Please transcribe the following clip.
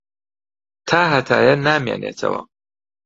تاھەتایە نامێنێتەوە.